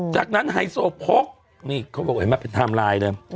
จากนั้นไฮโซโพกนี่เขาบอกเห็นไหมเป็นไทม์ไลน์เลย